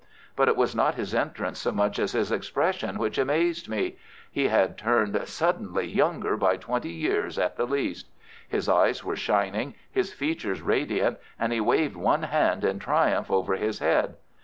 But it was not his entrance so much as his expression which amazed me. He had turned suddenly younger by twenty years at the least. His eyes were shining, his features radiant, and he waved one hand in triumph over his head.